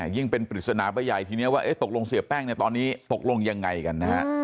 ยิ่งเป็นปริศนาไปใหญ่ทีนี้ว่าตกลงเสียแป้งเนี่ยตอนนี้ตกลงยังไงกันนะฮะ